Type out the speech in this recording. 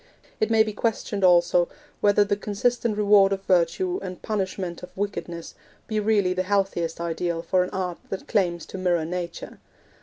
It may be questioned, also, whether the consistent reward of virtue and punishment of wickedness be really the healthiest ideal for an art that claims to mirror nature.